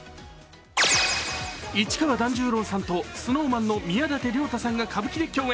市川團十郎さんとＳｎｏｗＭａｎの宮舘涼太さんが歌舞伎で共演。